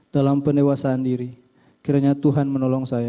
dalam penewasaan diri kiranya tuhan menolong saya